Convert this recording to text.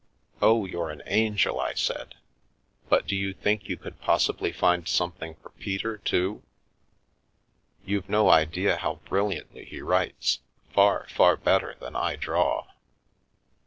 " Oh, you're an angel," I said, " but do you think you could possibly find something for Peter too? You've no idea how brilliantly he writes, far, far better than I draw."